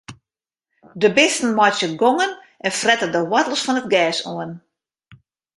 De bisten meitsje gongen en frette de woartels fan it gers oan.